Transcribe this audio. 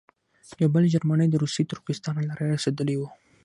یو بل جرمنی د روسي ترکستان له لارې رسېدلی وو.